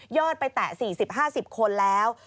อดไปแตะ๔๐๕๐คนแล้ว